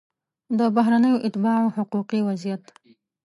د بهرنیو اتباعو حقوقي وضعیت